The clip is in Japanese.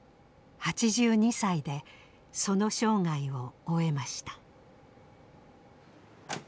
８２歳でその生涯を終えました。